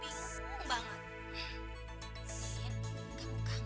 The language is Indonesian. yaitu aku nyerang kain kakak